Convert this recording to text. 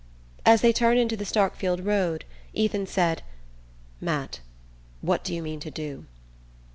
As they turned into the Starkfield road Ethan said: "Matt, what do you mean to do?"